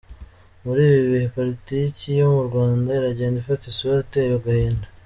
Muri ibi bihe politiki yo mu Rwanda iragenda ifata isura iteye agahinda.